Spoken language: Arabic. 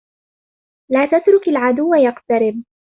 لا تترك العدو يقترب.